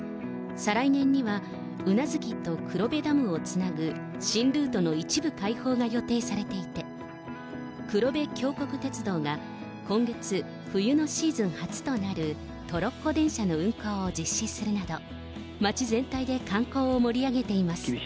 再来年には宇奈月と黒部ダムをつなぐ新ルートの一部開放が予定されていて、黒部峡谷鉄道が今月、冬のシーズン初となるトロッコ電車の運行を実施するなど、街全体で観光を盛り上げています。